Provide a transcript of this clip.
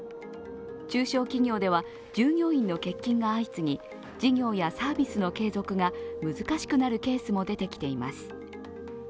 中小企業では従業員の欠勤が相次ぎ事業やサービスの継続が難しくなるケースも出てきています。